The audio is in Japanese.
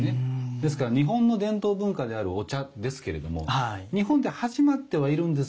ですから日本の伝統文化であるお茶ですけれども日本で始まってはいるんですがお持ち帰りになられて